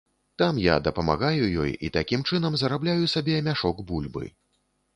Там я дапамагаю ёй і такім чынам зарабляю сабе мяшок бульбы.